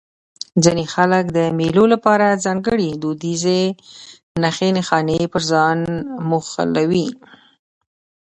ځيني خلک د مېلو له پاره ځانګړي دودیزې نخښي نښانې پر ځان موښلوي.